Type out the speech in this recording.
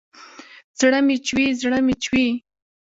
زړه مې چوي ، زړه مې چوي